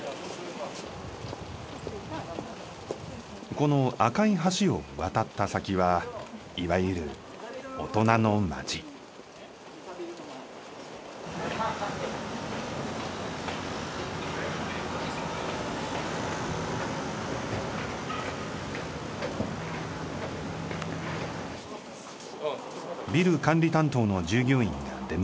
この赤い橋を渡った先はいわゆるビル管理担当の従業員が出迎えます。